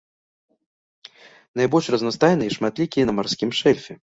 Найбольш разнастайныя і шматлікія на марскім шэльфе.